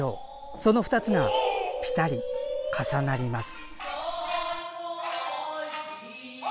その２つが、ぴたり重なります。